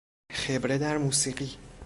خبره در موسیقی